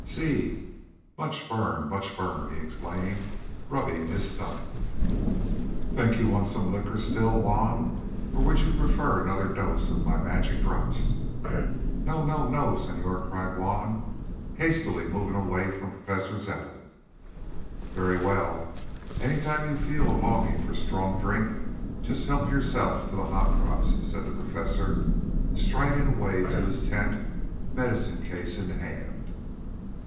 "Si. Much burn, much burn," he explained, rubbing his stomach. "Think you want some liquor still, Juan, or would you prefer another dose of my magic drops?" "No, no, no, señor!" cried Juan, hastily moving away from Professor Zepplin. "Very well; any time when you feel a longing for strong drink, just help yourself to the hot drops," said the Professor, striding away to his tent, medicine case in hand.